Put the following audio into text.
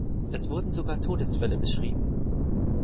Es wurden sogar Todesfälle beschrieben.